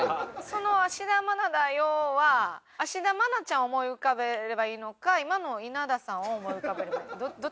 その「芦田愛菜だよ」は芦田愛菜ちゃんを思い浮かべればいいのか今の稲田さんを思い浮かべればどっちのマネしたらいいですか？